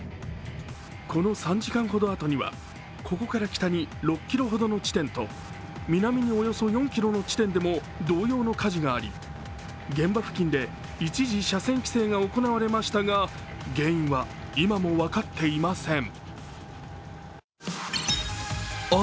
この３時間ほどあとには、ここから北に６ｋｍほどの地点と南におよそ４ｋｍの地点でも同様の火事があり現場付近で一時、車線規制が行われましたが、原因は今も分かっていません。